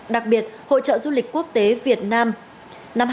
đặc biệt hội trợ du lịch quốc tế việt nam